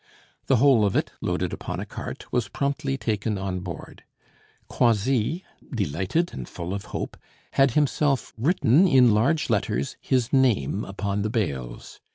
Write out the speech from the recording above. The whole of it, loaded upon a cart, was promptly taken on board. Croisilles, delighted and full of hope, had himself written in large letters his name upon the bales.